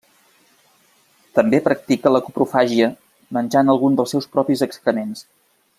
També practica la coprofàgia, menjant alguns dels seus propis excrements.